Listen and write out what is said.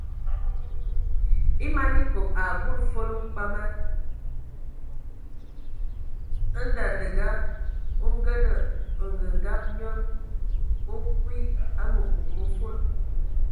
A man ekob a budi fol, mkpamag ndaləga o ngənə angəngab nyɔl,o akwi a məkug mə fol.